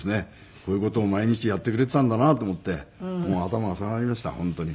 こういう事を毎日やってくれてたんだなと思ってもう頭が下がりました本当に。